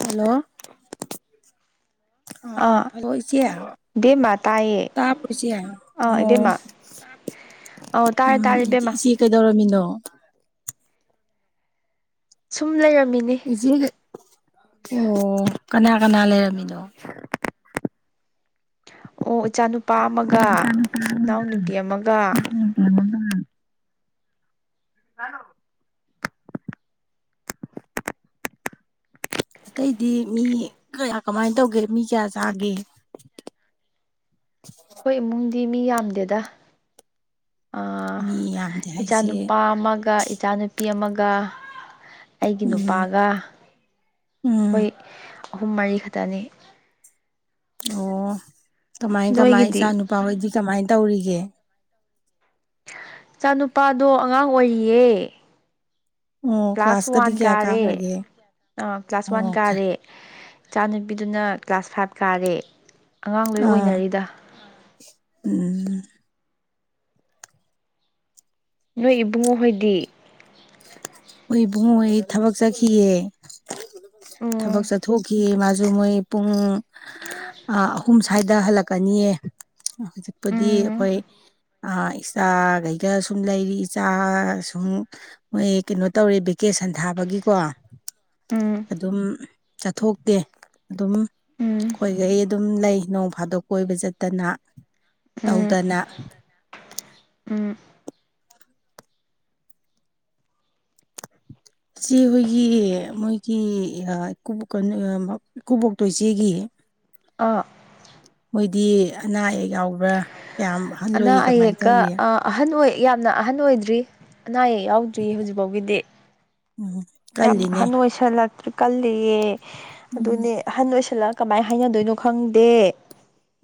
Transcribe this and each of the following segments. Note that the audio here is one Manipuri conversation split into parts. ꯍꯜꯂꯣ ꯑ ꯑꯥ ꯍꯜꯂꯣ ꯏꯆꯦ ꯏꯕꯦꯝꯃ ꯇꯥꯏꯌꯦ ꯇꯔꯥꯕꯣ ꯏꯆꯦ ꯑꯥ ꯑꯣ ꯏꯕꯦꯝꯃ ꯑꯧ ꯇꯥꯔꯦ ꯇꯥꯔꯦ ꯏꯕꯦꯝꯃ ꯀꯩꯗꯧꯔꯝ ꯃꯤꯅꯣ ꯁꯨꯝ ꯂꯩꯔꯝꯃꯤꯅꯤ ꯍꯧꯖꯤꯛ ꯑꯣ ꯀꯅꯥ ꯀꯅꯥ ꯂꯩꯔꯝꯃꯤꯅꯣ ꯑꯣ ꯏꯆꯥꯅꯨꯄꯥ ꯑꯃꯒ ꯏꯅꯥꯎꯅꯨꯄꯤ ꯑꯃꯒ ꯎꯝ ꯀꯅꯥꯅꯣ ꯑꯇꯩꯗꯤ ꯃꯤ ꯀꯌꯥ ꯀꯃꯥꯏꯅ ꯇꯧꯒꯦ ꯃꯤ ꯀꯌꯥ ꯆꯥꯒꯦ ꯑꯈ‌ꯣꯏ ꯏꯃꯨꯡꯗꯤ ꯃꯤ ꯌꯥꯝꯗꯦꯗ ꯑ ꯃꯤ ꯌꯥꯝꯗꯦ ꯍꯥꯏꯁꯦ ꯏꯆꯥꯅꯨꯄꯥ ꯑꯃꯒ ꯏꯆꯥꯅꯨꯄꯤ ꯑꯃꯒ ꯑꯩꯒꯤ ꯎꯝ ꯅꯨꯄꯥꯒ ꯎꯝ ꯈꯣꯏ ꯑꯍꯨꯝ ꯃꯔꯤ ꯈꯛꯇꯅꯤ ꯑꯣ ꯀꯃꯥꯏ ꯀꯃꯥꯏ ꯏꯆꯥ ꯅꯣꯏꯒꯤꯗꯤ ꯅꯨꯄꯥ ꯍꯣꯏꯗꯤ ꯀꯃꯥꯏꯅ ꯇꯧꯔꯤꯒꯦ ꯏꯆꯥꯅꯨꯄꯥꯗꯣ ꯑꯉꯥꯡ ꯑꯣꯏꯔꯤꯌꯦ ꯑꯣ ꯀ꯭ꯂꯥꯁ ꯀ꯭ꯂꯥꯁꯀꯗꯤ ꯋꯥꯟ ꯀꯌꯥ ꯀꯥꯔꯦ ꯀꯥꯈ꯭ꯔꯒꯦ ꯑꯥ ꯀ꯭ꯂꯥꯁ ꯋꯥꯟ ꯑꯣ ꯀꯥꯔꯦ ꯏꯆꯥ ꯅꯨꯨꯄꯤꯗꯨꯅ ꯀ꯭ꯂꯥꯁ ꯐꯥꯏꯚ ꯀꯥꯔꯦ ꯑꯉꯥꯡ ꯂꯣꯏ ꯑꯥ ꯑꯣꯏꯅꯔꯤꯗ ꯎꯝ ꯅꯣꯏ ꯏꯕꯨꯡꯉꯣ ꯍꯣꯏꯗꯤ ꯑꯈ‌ꯣꯏ ꯏꯕꯨꯡꯉ‌ꯣ ꯍ‌ꯣꯏ ꯊꯕꯛ ꯆꯠꯈꯤꯌ‌ꯦ ꯊꯕꯛ ꯎꯝ ꯆꯠꯊꯣꯛꯈꯤ ꯒꯤ ꯃꯥꯖꯨ ꯃꯣꯏ ꯄꯨꯡ ꯑꯍꯨꯝ ꯁ꯭ꯋꯥꯏꯗ ꯍꯜꯂꯛꯀꯅꯤꯌꯦ ꯍꯧꯖꯤꯛꯄꯨꯗꯤ ꯎꯝ ꯑꯩꯈꯣꯏ ꯑ ꯏꯆꯥꯈꯩꯗ ꯁꯨꯝ ꯂꯩꯔꯤ ꯏꯆꯥ ꯁꯨꯝ ꯃꯣꯏ ꯀꯩꯅꯣ ꯇꯧꯔꯦ ꯚꯦꯀꯦꯁꯟ ꯊꯥꯕꯒꯤꯀꯣ ꯎꯝ ꯑꯗꯨꯝ ꯆꯠꯊꯣꯛꯇꯦ ꯑꯗꯨꯝ ꯎꯝ ꯑꯩꯈꯣꯏꯒꯩ ꯑꯗꯨꯝ ꯂꯩ ꯅꯣꯡ ꯐꯥꯗꯣꯛ ꯀꯣꯏꯕ ꯆꯠꯇꯅ ꯎꯝ ꯇꯧꯗꯅ ꯎꯝ ꯏꯆ‌ꯦ ꯍꯣꯏꯒꯤ ꯃꯣꯏꯒꯤ ꯑꯥ ꯏꯀꯨꯕꯣꯛ ꯀꯥ ꯅꯣꯏ ꯑ ꯃꯞ ꯏꯀꯨꯕꯣꯛꯇꯣ ꯏꯆꯦꯒꯤ ꯑꯥ ꯃꯣꯏꯗꯤ ꯑꯅꯥ ꯑꯌꯦꯛ ꯌꯥꯎꯕ꯭ꯔꯥ ꯀꯌꯥꯝ ꯑꯍꯜ ꯑꯅꯥ ꯑꯣꯏꯔꯤ ꯀꯃꯥꯏꯅ ꯑꯌꯦꯛꯀ ꯇꯧꯔꯤ ꯑꯥ ꯑꯍꯟ ꯑꯣꯏ ꯌꯥꯝꯅ ꯑꯍꯟ ꯑꯣꯏꯗ꯭ꯔꯤ ꯑꯅꯥ ꯑꯌꯦꯛ ꯌꯥꯎꯗ꯭ꯔꯤ ꯍꯧꯖꯤꯛꯕꯥꯎꯒꯤꯗꯤ ꯎꯝ ꯌꯥꯝ ꯀꯜꯂꯤꯅꯦ ꯑꯍꯟ ꯑꯣꯏꯁꯜꯂꯛꯇ꯭ꯔꯤ ꯀꯜꯂꯤꯌꯦ ꯎꯝ ꯑꯗꯨꯅꯦ ꯑꯍꯟ ꯑꯣꯏꯁꯜꯂꯛꯑ ꯀꯃꯥꯏ ꯍꯥꯏꯅꯗꯣꯏꯅꯣ ꯈꯪꯗꯦ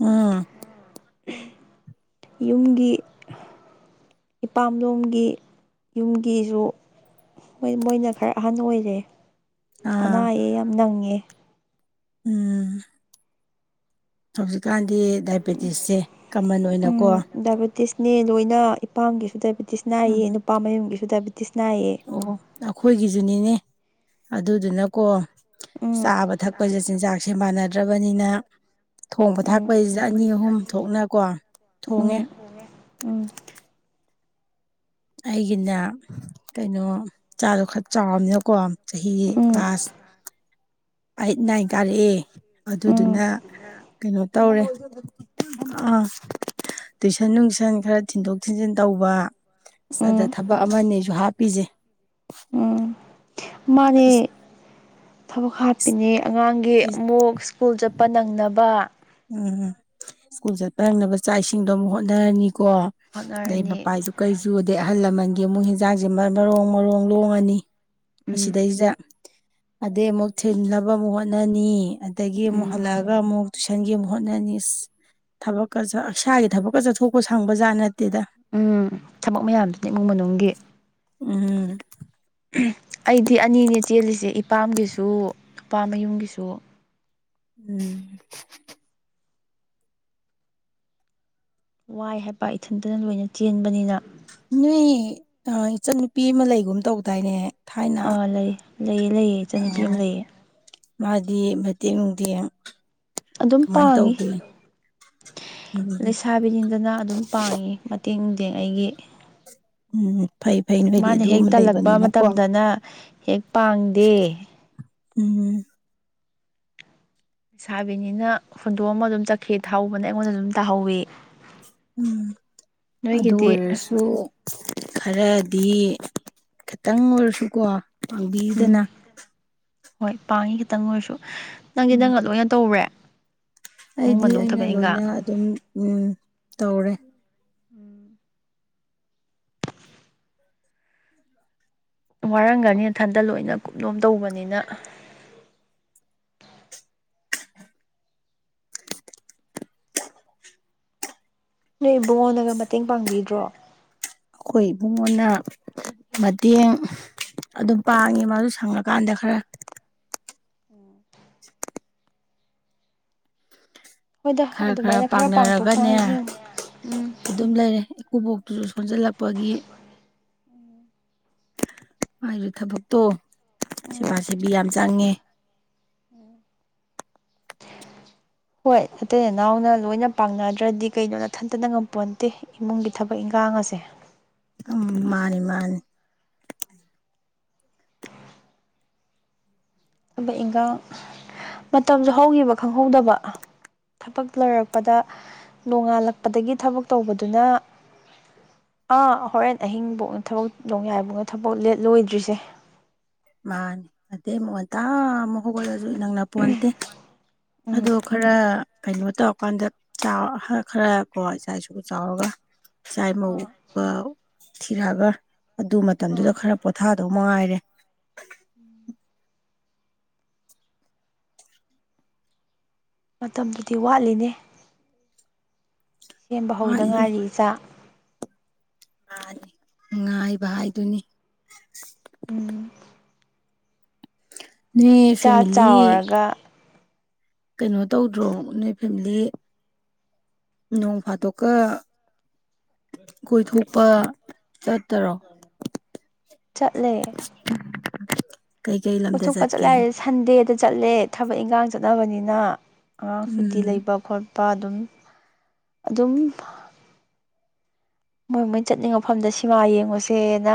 ꯎꯝ ꯌꯨꯝꯒꯤ ꯏꯄꯥꯝꯂꯣꯝꯒꯤ ꯌꯨꯝꯒꯤꯖꯨ ꯍꯣꯏ ꯃꯣꯏꯅ ꯈꯔ ꯑꯍꯟ ꯑꯣꯏꯔꯦ ꯑꯅꯥ ꯑꯥ ꯑꯌꯦꯛ ꯌꯥꯝ ꯅꯪꯉꯦ ꯎꯝ ꯍꯧꯖꯤꯛꯀꯥꯟꯗꯤ ꯗꯥꯏꯕꯦꯇꯤꯁꯁꯦ ꯀꯃꯟ ꯑꯣꯏꯅꯀꯣ ꯗꯥꯏꯕꯤꯇꯤꯁꯅꯦ ꯂꯣꯏꯅ ꯏꯄꯥꯝꯒꯤꯁꯨ ꯗꯥꯏꯕꯤꯇꯤꯁ ꯅꯥꯏꯌꯦ ꯎꯝ ꯅꯨꯄꯥ ꯃꯌꯨꯝꯒꯤꯖꯨ ꯗꯥꯏꯕꯤꯇꯤꯁ ꯅꯥꯏꯌꯦ ꯑꯣ ꯑꯩꯈꯣꯏꯒꯤꯖꯨꯅꯤꯅꯦ ꯑꯗꯨꯗꯨꯅꯀꯣ ꯎꯝ ꯆꯥꯕ ꯊꯛꯄꯖꯦ ꯆꯤꯟꯖꯥꯛꯁꯦ ꯃꯥꯟꯅꯗ꯭ꯔꯕꯅꯤꯅ ꯊꯣꯡꯕ ꯎꯝ ꯊꯥꯛꯄꯩꯖꯤꯗ ꯑꯅꯤ ꯑꯍꯨꯝ ꯊꯣꯛꯅ ꯀꯣ ꯊꯨꯑꯦ ꯊꯣꯡꯉꯦ ꯎꯝ ꯑꯩꯒꯤꯅꯦ ꯀꯩꯅꯣ ꯏꯆꯥꯗꯣ ꯈꯔ ꯆꯥꯎꯔꯝꯅꯤꯅꯀꯣ ꯆꯍꯤ ꯎꯝ ꯀ꯭ꯂꯥꯁ ꯑꯩꯏꯠ ꯅꯥꯏꯟ ꯀꯥꯔꯛꯑꯦ ꯑꯗꯨꯗꯨꯅ ꯀꯩꯅꯣ ꯇꯧꯔꯦ ꯑ ꯇꯨꯏꯁꯟ ꯅꯨꯡꯁꯟ ꯈꯔ ꯊꯤꯟꯗꯣꯛ ꯊꯤꯟꯖꯤꯟ ꯇꯧꯕ ꯑꯁ ꯑꯗꯥ ꯎꯝ ꯊꯕꯛ ꯑꯃꯅꯦꯖꯨ ꯍꯥꯞꯄꯤꯖꯦ ꯎꯝ ꯃꯥꯅꯦ ꯊꯕꯛ ꯍꯥꯞꯄꯤꯅꯦ ꯑꯉꯥꯡ ꯒꯤ ꯑꯃꯨꯛ ꯁ꯭ꯀꯨꯜ ꯆꯠꯄ ꯅꯪꯅꯕ ꯎꯝ ꯁ꯭ꯀꯨꯜ ꯆꯠꯄ ꯅꯪꯅꯕ ꯆꯥꯛ ꯏꯁꯤꯡꯗꯣ ꯑꯃꯨꯛ ꯍꯣꯠꯅꯔꯅꯤꯀꯣ ꯑꯗꯩ ꯍꯣꯠꯅꯔꯅꯤ ꯃꯄꯥꯏꯖꯨ ꯀꯩ ꯁꯨꯨꯗꯦ ꯑꯍꯜ ꯂꯃꯟꯒꯤ ꯑꯃꯨꯛ ꯍꯤꯟꯖꯥꯡꯖꯦ ꯃꯥ ꯃꯔꯣꯡ ꯃꯔꯣꯡ ꯂꯣꯡꯉꯅꯤ ꯎꯝ ꯑꯁꯤꯗꯩꯖꯤꯗ ꯑꯗꯩ ꯑꯃꯨꯛ ꯊꯤꯅꯕ ꯑꯃꯨꯛ ꯍꯣꯠꯅꯅꯤ ꯑ ꯗꯒꯤ ꯑꯃꯨꯛ ꯎꯝ ꯍꯜꯂꯛꯑꯒ ꯑꯃꯨꯛ ꯁꯟꯒꯤ ꯑꯃꯨꯛ ꯍꯣꯠꯅꯅꯤ ꯏꯁ ꯊꯕꯛꯀ ꯁꯔ ꯏꯁꯥꯒꯤ ꯊꯕꯛꯀ ꯆꯠꯊꯣꯛꯄ ꯁꯪꯕ ꯖꯥꯠ ꯅꯠꯇꯦꯗ ꯎꯝ ꯊꯕꯛ ꯃꯌꯥꯝꯗꯨꯗ ꯏꯃꯨꯡ ꯃꯅꯨꯡꯒꯤ ꯎꯝ ꯑꯩꯗꯤ ꯑꯅꯤꯅꯦ ꯆꯦꯜꯂꯤꯁꯦ ꯏꯄꯥꯝꯒꯤꯁꯨ ꯅꯨꯄꯥꯃꯌꯨꯝꯒꯤꯁꯨ ꯎꯝ ꯋꯥꯏ ꯍꯥꯏꯕ ꯏꯊꯟꯇꯅ ꯂꯣꯏꯅ ꯆꯦꯟꯕꯅꯤꯅ ꯅꯣꯏ ꯑ ꯏꯆꯟꯅꯨꯄꯤ ꯑꯃ ꯂꯩꯒꯨꯝ ꯇꯧꯗꯥꯏꯅꯦ ꯊꯥꯏꯅ ꯑꯥ ꯂꯩ ꯂꯩꯌꯦ ꯂꯩꯌꯦ ꯏꯆꯟꯅꯨꯄꯤ ꯑꯝ ꯑꯥ ꯂꯩꯌꯦ ꯃꯥꯗꯤ ꯃꯇꯦꯡ ꯅꯨꯡꯗꯦꯡ ꯑꯗꯨꯝ ꯀꯃꯥꯏꯅ ꯄꯥꯡꯉꯤ ꯇꯧꯒꯦ ꯎꯝ ꯂꯩꯁꯥꯕꯤꯅꯤꯗꯅ ꯑꯗꯨꯝ ꯄꯥꯡꯉꯤ ꯃꯠ ꯇꯦꯡ ꯅꯨꯡꯗꯦꯡ ꯑꯩꯒꯤ [inaudible] ꯅꯣꯏꯗꯤ ꯃꯥꯅ ꯑꯗꯨ ꯍꯦꯛ ꯑꯃ ꯇꯜꯂꯛꯄ ꯂꯩꯕꯅꯤꯅꯀꯣ ꯃꯇꯝꯗꯅ ꯍꯦꯛ ꯄꯥꯡꯗꯦ ꯎꯝ ꯂꯩꯥꯁꯥꯕꯤꯅꯤꯅ ꯍꯨꯟꯗꯣꯛꯑꯃ ꯑꯗꯨꯝ ꯆꯠꯈꯤ ꯊꯧꯕꯅ ꯑꯩꯉꯣꯟꯗ ꯑꯗꯨꯝ ꯇꯥꯍꯧꯋꯤ ꯎꯝ ꯑꯗꯨ ꯅꯣꯏꯒꯤꯗꯤ ꯑꯣꯏꯔꯁꯨ ꯈꯔꯗꯤ ꯈꯥꯇꯪ ꯑꯣꯏꯔꯁꯨꯀꯣ ꯄꯥꯡꯕꯤꯗꯅ ꯎꯝ ꯍꯣꯏ ꯄꯥꯡꯉꯤ ꯈꯤꯇꯪ ꯑꯣꯏꯔꯁꯨ ꯅꯪꯗꯤ ꯎꯝ ꯅꯪꯅ ꯂꯣꯏꯅ ꯇꯧꯔꯦ ꯏꯃꯨꯡ ꯑꯩꯗꯤ ꯃꯅꯨꯡ ꯑꯩꯅ ꯊꯕꯛ ꯏꯪꯈꯥꯡ ꯂꯣꯏꯅ ꯑꯗꯨꯝ ꯎꯝ ꯇꯧꯔꯦ ꯎꯝ ꯋꯥꯔꯝꯒꯅꯤ ꯅꯊꯟꯇ ꯂꯣꯏꯅ ꯀꯨꯞꯅꯣꯝ ꯇꯧꯕꯅꯤꯅ ꯅꯣꯏ ꯏꯕꯨꯡꯉꯣꯅꯒ ꯃꯇꯦꯡ ꯄꯥꯡꯕꯤꯗ꯭ꯔꯣ ꯑꯩꯈꯣꯏ ꯏꯕꯨꯡꯉꯣꯅ ꯃꯇꯦꯡ ꯑꯗꯨꯝ ꯄꯥꯡꯉꯤ ꯃꯥꯁꯨ ꯁꯪꯉꯀꯥꯟꯗ ꯈꯔ ꯎꯝ [inaudible] ꯍꯣꯏꯗ ꯈꯔ ꯈꯔ ꯑꯗꯨꯃꯥꯏꯅ ꯄꯥꯡꯊꯣꯛ ꯄꯥꯡꯅꯔꯒꯅꯦ ꯄꯥꯡꯁꯤꯟ ꯎꯝ ꯑꯗꯨꯝ ꯂꯩꯔꯦ ꯏꯀꯨꯕꯣꯛꯇꯨꯁꯨ ꯁꯣꯟꯖꯜꯂꯛꯄꯒꯤ ꯃꯥꯏꯁꯨ ꯊꯕꯛꯇꯣ ꯁꯦꯕꯥ ꯁꯦꯕꯤ ꯌꯥꯝ ꯆꯪꯉꯦ [inaudible] ꯍꯣꯏ ꯑꯇꯩ ꯅꯅꯥꯎꯅ ꯂꯣꯏꯅ ꯄꯥꯛꯅꯗ꯭ꯔꯗꯤ ꯀꯩꯅꯣ ꯅꯊꯟꯇꯅ ꯉꯝꯄꯣꯟꯇꯦ ꯏꯃꯨꯡꯒꯤ ꯊꯕꯛ ꯏꯟꯈꯥꯡꯉꯁꯦ ꯎꯝ ꯃꯥꯅꯤ ꯃꯥꯅꯤ ꯊꯕꯛ ꯏꯟꯈꯥꯡ ꯃꯇꯝꯁꯨ ꯍꯧꯈꯤꯕ ꯈꯪꯍꯧꯗꯕ ꯊꯕꯛ ꯂꯣꯏꯔꯛꯄꯗ ꯅꯣꯡꯉꯥꯜꯂꯛꯄꯗꯒꯤ ꯊꯕꯛ ꯇꯧꯕꯗꯨꯅ ꯑꯥ ꯍꯣꯔꯦꯟ ꯑꯍꯤꯡꯕꯧꯅꯦ ꯊꯕꯛ ꯅꯣꯡꯌꯥꯏꯕꯧꯅꯦ ꯊꯕꯛ ꯂꯦꯠ ꯂꯣꯏꯗ꯭ꯔꯤꯁꯦ ꯃꯥꯅꯤ ꯑꯗꯩ ꯃꯨꯛꯉꯟꯇꯥ ꯑꯃꯨꯛ ꯍꯧꯒꯠꯂꯁꯨ ꯅꯪꯅ ꯄꯣꯟꯇꯦ ꯑꯗꯨ ꯎꯝ ꯈꯔ ꯀꯩꯅꯣ ꯇꯧꯔꯀꯥꯟꯗ ꯆꯥꯎ ꯈꯔ ꯈꯔ ꯀꯣ ꯏꯆꯥ ꯏꯁꯨ ꯆꯥꯎꯔꯒ ꯏꯆꯥ ꯑꯥ ꯏꯃꯧꯀ ꯊꯤꯔꯛꯑꯒ ꯑꯗꯨ ꯑꯥ ꯃꯇꯝꯗꯨꯗ ꯈꯔ ꯄꯣꯊꯥꯗꯧ ꯃꯉꯥꯏꯔꯦ ꯎꯝ ꯃꯇꯝꯕꯨꯗꯤ ꯋꯥꯠꯂꯤꯅꯦ ꯁꯦꯝꯕ ꯍꯧꯗ ꯋꯥꯠꯂꯤ ꯉꯥꯏꯔꯤ ꯏꯆꯥ ꯃꯥꯅꯤ ꯉꯥꯏꯕ ꯍꯥꯏꯗꯨꯅꯤ ꯎꯝ ꯅꯣꯏ ꯏꯆꯥ ꯐꯦꯃꯤꯂꯤ ꯆꯥꯎꯔꯒ ꯀꯩꯅꯣ ꯇꯧꯗ꯭ꯔꯣ ꯅꯣꯏ ꯐꯦꯃꯤꯂꯤ ꯅꯣꯡ ꯐꯥꯗꯣꯛꯀ ꯀꯣꯏꯊꯣꯛꯄ ꯆꯠꯇꯔꯣ ꯆꯠꯂꯦ [inaudible] ꯂꯝꯗ ꯀꯣꯏꯊꯣꯛꯄ ꯆꯠꯂꯦ ꯆꯠꯀꯦ ꯍꯥꯏꯁꯦ ꯁꯟꯗꯦꯗ ꯆꯠꯂꯦ ꯊꯕꯛ ꯏꯟꯈꯥꯡ ꯆꯠꯅꯕꯅꯤꯅ ꯑꯉꯥꯡ ꯁꯨꯇꯤ ꯎꯝ ꯂꯩꯕ ꯈꯣꯠꯄ ꯑꯗꯨꯝ ꯑꯗꯨꯝ ꯃꯣꯏ ꯃꯣꯏ ꯆꯠꯅꯤꯡꯕ ꯃꯐꯝꯗ ꯁꯤꯃꯥ ꯌꯦꯡꯉꯨꯁꯦꯅ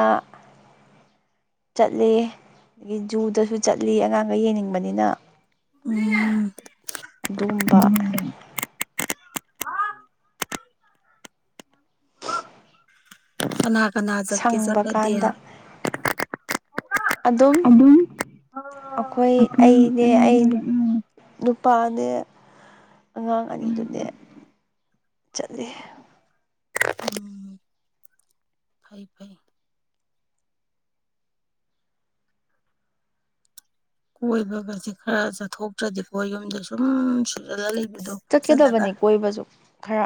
ꯆꯠꯂꯤ ꯑꯗꯒꯤ ꯖꯨꯗꯁꯨ ꯆꯠꯂꯤ ꯑꯉꯥꯡꯒꯩ ꯌꯦꯡꯅꯤꯡꯕꯅꯤꯅ ꯎꯝ ꯑꯗꯨꯒꯨꯝꯕ ꯀꯅꯥ ꯀꯅꯥ ꯆꯠꯀꯦ ꯁꯪꯕ ꯆꯠꯂꯥꯗꯤ꯫ ꯀꯥꯟꯗ ꯑꯗꯨꯝ ꯑꯗꯨꯗꯤ ꯑꯩꯈꯣꯏ ꯑꯩꯅꯦ ꯑꯩ ꯅꯨꯄꯥꯅꯦ꯫ ꯑꯉꯥꯡ ꯑꯅꯤꯗꯨꯅꯦ ꯆꯠꯂꯦ꯫ ꯎꯝ ꯐꯩ ꯐꯩ ꯀꯣꯏꯕꯒꯁꯦ ꯈꯔ ꯆꯠꯊꯣꯛꯇ꯭ꯔꯗꯤꯀꯣ ꯌꯨꯝꯗ ꯁꯨꯝ ꯁꯨꯖꯤꯜꯂ ꯂꯩꯕꯗꯣ꯫ ꯐꯛꯆꯜꯂꯒ ꯆꯠꯀꯗꯕꯅꯤ ꯀꯣꯏꯕꯁꯨ ꯈꯔ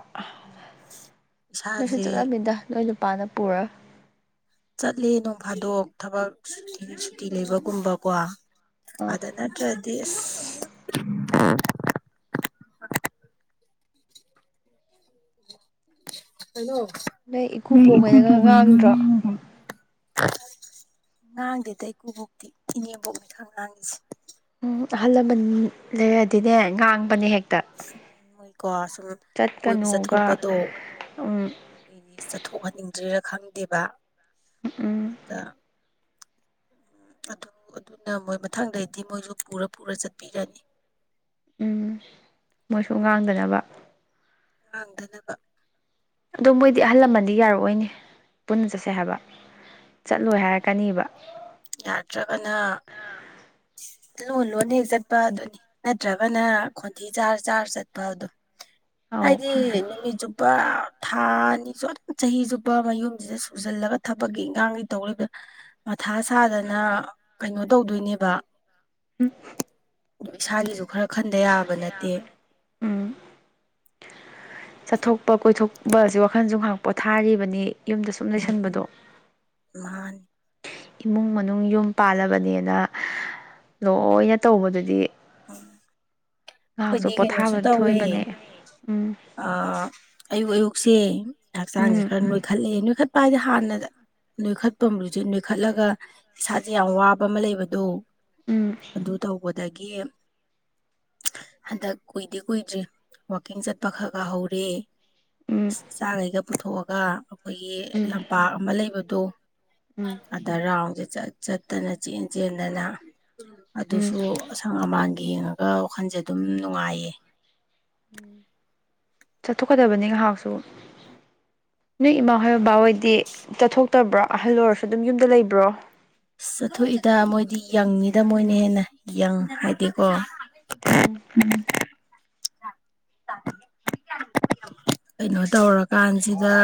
ꯅꯣꯏꯁꯨ ꯆꯠꯁꯨ ꯏꯁꯥꯁꯦ ꯆꯠꯂꯃꯤꯗ ꯅꯣꯏꯅ ꯃꯄꯥꯥꯟꯗ ꯄꯨꯔ ꯆꯠꯂꯦ ꯅꯣꯡ ꯐꯥꯗꯣꯛ ꯊꯕꯛ ꯁꯨꯇꯤ ꯁꯨꯇꯤ ꯂꯩꯕꯒꯨꯝꯕꯀꯣ꯫ ꯑꯥ ꯑꯗ ꯅꯠꯇ꯭ꯔꯗꯤ ꯅꯣꯏ [unintelligible] ꯏꯀꯨꯕꯣꯛꯍꯣꯏꯅꯒ ꯉꯥꯡꯗ꯭ꯔꯣ ꯉꯥꯡꯗꯦꯗ ꯏꯀꯨꯕꯣꯛꯇꯤ ꯏꯅꯦꯝꯕꯣꯛ ꯈꯔ ꯉꯥꯡꯉꯤꯁꯦ꯫ ꯎꯝ ꯑꯍꯜ ꯂꯃꯟ ꯂꯩꯔꯗꯤꯅꯦ ꯉꯥꯡꯕꯅꯦ ꯍꯦꯛ ꯅꯣꯏꯀꯣ ꯁꯨꯝ ꯀꯣꯏꯕ ꯆꯠꯀꯅꯨꯒ ꯆꯠꯊꯣꯛꯄꯗꯣ ꯎꯝ ꯆꯠꯊꯣꯛꯍꯟꯅꯤꯡꯗ꯭ꯔꯦꯔꯥ ꯈꯪꯗꯦꯕ꯫ ꯎꯝ ꯎꯝ ꯗ ꯑꯗꯨ ꯑꯗꯨꯅ ꯃꯣꯏ ꯃꯊꯪꯗꯩꯗꯤ ꯃꯣꯏꯁꯨ ꯄꯨꯔ ꯄꯨꯔ ꯆꯠꯄꯤꯔꯅꯤ꯫ ꯎꯝ ꯃꯣꯏꯁꯨ ꯉꯥꯡꯗꯅꯕ꯫ ꯅꯥꯗꯅꯕ꯫ ꯑꯗꯣ ꯃꯣꯏꯗꯤ ꯑꯍꯜ ꯂꯃꯟꯗꯤ ꯌꯥꯔꯛꯑꯣꯏꯅꯦ ꯄꯨꯟꯅ ꯆꯠꯁꯦ ꯍꯥꯏꯕ꯫ ꯆꯠꯂꯣꯏ ꯍꯥꯏꯔꯛꯀꯅꯤꯕ꯫ ꯌꯥꯗ꯭ꯔꯒꯅ ꯂꯣꯟ ꯂꯣꯟꯅ ꯍꯦꯛ ꯆꯠꯄ ꯑꯗꯨꯅꯤ꯫ ꯅꯠꯇ꯭ꯔꯒꯅ ꯈꯣꯟꯊꯤ ꯆꯥꯔ ꯆꯥꯔ ꯆꯠꯄ ꯑꯗꯨꯝ ꯑꯧ ꯍꯥꯏꯗꯤ ꯅꯨꯃꯤꯠ ꯆꯨꯞ ꯄꯥ ꯊꯥ ꯑꯅꯤꯁꯨ ꯑꯗꯨ ꯆꯍꯤ ꯆꯨꯞꯄ ꯃꯌꯨꯝꯁꯤꯗ ꯁꯨꯖꯜꯂꯒ ꯊꯕꯛꯀꯤ ꯏꯪꯈꯥꯡꯒꯤ ꯇꯧꯔꯂꯩꯗ ꯃꯊꯥ ꯁꯥꯗꯅ ꯀꯩꯅꯣ ꯇꯧꯗꯣꯏꯅꯤꯕ꯫ ꯎꯝ ꯑꯗꯨ ꯏꯁꯥꯒꯤꯁꯨ ꯈꯔ ꯈꯟꯗ ꯌꯥꯕ ꯅꯠꯇꯦ꯫ ꯎꯝ ꯆꯠꯊꯣꯛꯄ ꯀꯣꯏꯊꯣꯛꯄ ꯑꯁꯤ ꯋꯥꯈꯜꯁꯨ ꯉꯥꯏꯍꯥꯛ ꯄꯣ ꯊꯥꯔꯤꯕꯅꯤ ꯌꯨꯝꯗ ꯁꯨꯝ ꯂꯩꯁꯟꯕꯗꯣ꯫ ꯃꯥꯟꯅꯤ ꯏꯃꯨꯡ ꯃꯅꯨꯡ ꯌꯨꯝ ꯄꯥꯜꯂꯕꯅꯦꯅ ꯂꯣꯏꯅ ꯇꯧꯕꯗꯨꯗꯤ꯫ ꯉꯥꯍꯥꯛꯁꯨ ꯑꯩꯈꯣꯏꯗꯤ ꯄꯣꯊꯥꯕ ꯊꯣꯏꯕꯅꯦ ꯎꯝ ꯑꯥ ꯑꯌꯨꯛ ꯑꯌꯨꯛꯁꯦ ꯍꯛꯆꯥꯡꯁꯦ ꯎꯝ ꯈꯔ ꯅꯣꯏꯈꯠꯂꯑꯦ ꯅꯣꯏꯈꯠꯄ ꯍꯥꯏꯗꯤ ꯍꯥꯟꯅꯗ ꯅꯣꯏꯈꯠꯄꯝꯕꯨꯁꯦ ꯅꯣꯏꯈꯠꯂꯒ ꯏꯁꯥꯁꯦ ꯌꯥꯝ ꯋꯥꯕ ꯑꯃ ꯂꯩꯕꯗꯣ꯫ ꯎꯝ ꯑꯗꯨ ꯇꯧꯕꯗꯒꯤ ꯍꯟꯗꯛ ꯀꯨꯏꯗꯤ ꯀꯨꯏꯗ꯭ꯔꯤ ꯋꯥꯛꯀꯤꯡ ꯆꯠꯄ ꯈꯔ ꯈꯔ ꯍꯧꯔꯦ꯫ ꯎꯝ ꯑꯦꯁ ꯏꯆꯥꯒꯩꯒ ꯄꯨꯊꯣꯛꯑꯒ ꯑꯈꯣꯏꯒꯤ ꯎꯝ ꯂꯝꯄꯥꯛ ꯑꯃ ꯂꯩꯕꯗꯣ꯫ ꯎꯝ ꯑꯗ ꯔꯥꯎꯟꯁꯦ ꯆꯠ ꯆꯠꯇꯅ ꯆꯦꯟ ꯆꯦꯟꯗꯅ ꯎꯝ ꯑꯗꯨꯁꯨ ꯑꯁꯪ ꯑꯃꯥꯟꯒ ꯌꯦꯡꯉꯒ ꯋꯥꯈꯜꯁꯦ ꯑꯗꯨꯝ ꯅꯨꯡꯉꯥꯏꯌꯦ꯫ ꯆꯠꯊꯣꯛꯀꯗꯕꯅꯦ ꯉꯥꯏꯍꯥꯛꯁꯨ꯫ ꯅꯣꯏ ꯏꯃꯥ ꯍꯣꯏ ꯕꯕꯥꯍꯣꯏꯗꯤ ꯆꯠꯊꯣꯛꯇꯕ꯭ꯔꯣ ꯑꯍꯜ ꯑꯣꯏꯔꯁꯨ ꯑꯗꯨꯝ ꯌꯨꯝꯗ ꯂꯩꯕ꯭ꯔꯣ? ꯆꯠꯊꯣꯛꯏꯗ ꯃꯣꯏꯗꯤ ꯌꯪꯅꯤꯗ ꯃꯣꯏꯅ ꯍꯦꯟꯅ ꯌꯪ ꯍꯥꯏꯗꯤꯀꯣ ꯎꯝ [unintelligible] [inaudible] ꯀꯩꯅꯣ ꯇꯧꯔꯀꯥꯟꯁꯤꯗ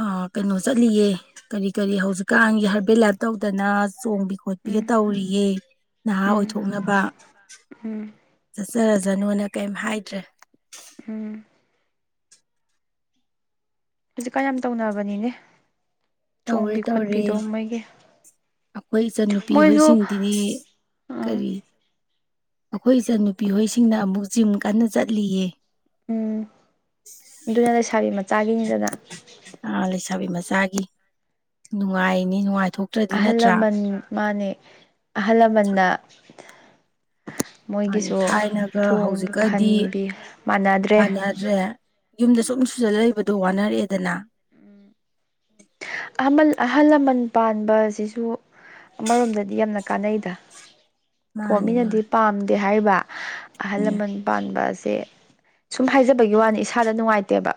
ꯑ ꯀꯩꯅꯣ ꯆꯠꯂꯤꯌꯦ ꯀꯔꯤ ꯀꯔꯤ ꯍꯧꯖꯤꯛꯀꯥꯟꯒꯤ ꯍꯥꯔꯕꯦꯜ ꯂꯥꯏꯞ ꯇꯧꯗꯅ ꯆꯣꯡꯕꯤ ꯈꯣꯠꯄꯤꯒ ꯎꯝ ꯇꯧꯔꯤꯌꯦ ꯅꯍꯥ ꯎꯝ ꯑꯣꯏꯊꯣꯛꯅꯕ ꯎꯝ ꯆꯠꯆꯔꯖꯥꯅꯣꯅ ꯀꯩꯝ ꯍꯥꯏꯗ꯭ꯔꯦ ꯎꯝ ꯍꯧꯖꯤꯛꯀꯥꯟ ꯌꯥꯝ ꯇꯧꯅꯕꯅꯤꯅꯦ ꯇꯧꯔꯦ ꯆꯣꯡꯕꯤ ꯈꯣꯠꯄꯤꯗꯣ ꯃꯣꯏꯒꯤ ꯈꯣꯏ ꯏꯆꯟꯅꯨꯄꯤ ꯃꯣꯏꯁꯨ ꯍꯣꯏꯁꯤꯡꯗꯤꯅꯤ ꯎꯝ ꯀꯔꯤ ꯑꯈꯣꯏ ꯏꯆꯟꯅꯨꯄꯤ ꯍꯣꯏ ꯁꯤꯡꯅ ꯑꯃꯨꯛ ꯖꯤꯝ ꯀꯟꯅ ꯆꯠꯂꯤꯌꯦ ꯎꯝ ꯑꯗꯨꯅ ꯂꯩꯁꯥꯕꯤ ꯃꯆꯥꯒꯤꯅꯤꯗꯅ ꯑ ꯂꯩꯁꯥꯕꯤ ꯃꯆꯥꯒꯤ ꯅꯨꯡꯉꯥꯏꯅꯤ ꯅꯨꯡꯉꯥꯏꯊꯣꯛ ꯑꯍꯜ ꯂꯃꯟ ꯃꯥꯅꯦ ꯑꯍꯜ ꯂꯃꯟꯅ ꯃꯥꯅꯤ ꯃꯣꯏꯒꯤꯁꯨ ꯊꯥꯏꯅꯒ ꯆꯣꯡ ꯐꯟꯕꯤ ꯃꯥꯟꯅꯗ꯭ꯔꯦ ꯗ꯭ꯔꯦ ꯌꯨꯝꯗ ꯁꯨꯝ ꯁꯨꯖꯜꯂ ꯂꯩꯕꯗꯣ ꯋꯥꯅꯔꯛꯑꯦꯗꯅ ꯑꯃꯜ ꯑꯍꯜ ꯂꯃꯟ ꯄꯥꯟꯕ ꯑꯖꯤꯖꯨ ꯑꯃꯔꯣꯝꯗꯗꯤ ꯌꯥꯝꯅ ꯀꯥꯟꯅꯩꯗ ꯀꯣ ꯃꯥꯅꯤ ꯃꯤꯅꯗꯤ ꯃꯥꯅꯤ ꯄꯥꯝꯗꯦ ꯍꯥꯏꯔꯤꯕ ꯑꯍꯜ ꯂꯃꯟ ꯎꯝ ꯄꯥꯟꯕꯁꯦ ꯁꯨꯝ ꯍꯥꯏꯖꯕꯒꯤ ꯋꯥꯅꯤ ꯏꯁꯥꯗ ꯅꯨꯡꯉꯥꯏꯇꯦꯕ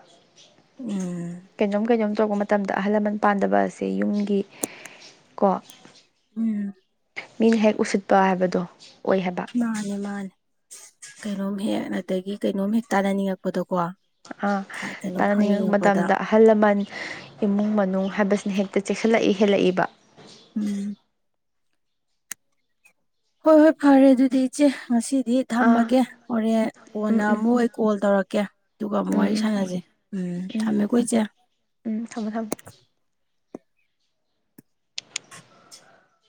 ꯎꯝ ꯀꯩꯅꯣꯝ ꯀꯩꯅꯣꯝ ꯇꯧꯔꯛꯄ ꯃꯇꯝꯗ ꯑꯍꯜ ꯂꯃꯟ ꯄꯥꯟꯗꯕ ꯑꯁꯦ ꯌꯨꯝꯒꯤ ꯀꯣ ꯎꯝ ꯃꯤꯅ ꯍꯦꯛ ꯎꯁꯤꯠꯄ ꯍꯥꯏꯕꯗꯣ ꯑꯣꯏ ꯍꯥꯏꯕ ꯃꯥꯅꯦ ꯃꯥꯅꯦ ꯀꯩꯅꯣꯝ ꯍꯦꯛ ꯑꯗꯒꯤ ꯀꯩꯅꯣꯝ ꯍꯦꯛ ꯇꯥꯅꯅꯤꯡꯉꯛꯄꯗꯀꯣ ꯑꯥ ꯀꯩꯅꯣꯝ ꯇꯥꯅꯅꯤꯡꯉꯛ ꯍꯪꯅꯤꯡꯉꯛꯄꯗ ꯃꯇꯝꯗ ꯑꯍꯜ ꯂꯃꯟ ꯏꯃꯨꯡ ꯃꯅꯨꯡ ꯍꯥꯏꯕꯁꯤꯅ ꯍꯦꯛꯇ ꯆꯦꯛꯁꯤꯜꯂꯛꯏ ꯍꯦꯜꯂꯛꯏꯕ ꯎꯝ ꯍꯣꯏ ꯍꯣꯏ ꯐꯔꯦ ꯑꯗꯨꯗꯤ ꯏꯆꯦ ꯉꯁꯤꯗꯤ ꯑꯥ ꯊꯝꯃꯒꯦ ꯍꯣꯔꯦꯟ ꯀꯣꯟꯅ ꯎꯝ ꯎꯝ ꯑꯃꯨꯛ ꯑꯩ ꯀꯣꯜ ꯇꯧꯔꯛꯀꯦ ꯗꯨꯒꯥ ꯑꯃꯨꯛ ꯎꯝ ꯋꯥꯔꯤ ꯎꯝ ꯁꯅꯖꯤ ꯎꯝ ꯊꯝꯃꯦꯀꯣ ꯏꯆꯦ ꯎꯝ ꯊꯝꯃꯣ ꯊꯝꯃꯣ